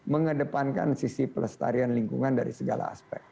mengedepankan sisi pelestarian lingkungan dari segala aspek